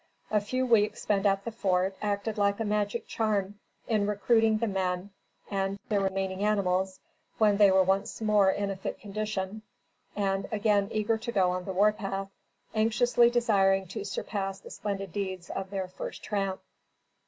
A few weeks spent at the fort, acted like a magic charm in recruiting the men and the remaining animals, when they were once more in a fit condition, and, again eager to go on the war path, anxiously desiring to surpass the splendid deeds of their first tramp.